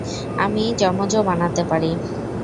আমি যমজ ও বানাতে পারি!